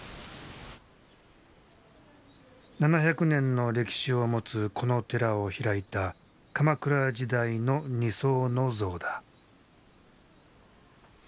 ７００年の歴史を持つこの寺を開いた鎌倉時代の尼僧の像だ。